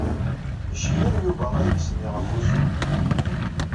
Iceyyer Yuba adlis-nni ɣef usu.